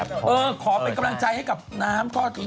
อ๋อเทปขอเป็นกำลังใจให้กับน้ำนะครับ